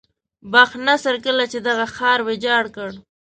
بخت نصر کله چې دغه ښار ویجاړ کړ.